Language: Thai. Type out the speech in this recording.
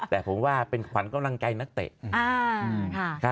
แต่ผมว่าเป็นขวัญกำลังใจนักเตะ